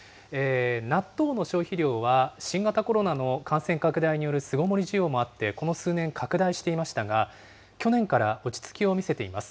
納豆の消費量は、新型コロナの感染拡大による巣ごもり需要もあって、この数年、拡大していましたが、去年から落ち着きを見せています。